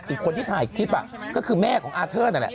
คือคนที่ถ่ายคลิปก็คือแม่ของอาเทิร์นนั่นแหละ